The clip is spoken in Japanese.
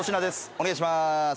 お願いします。